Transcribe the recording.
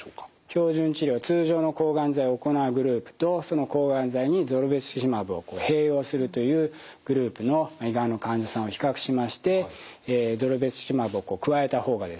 標準治療通常の抗がん剤を行うグループとその抗がん剤にゾルベツキシマブを併用するというグループの胃がんの患者さんを比較しましてゾルベツキシマブを加えた方がですね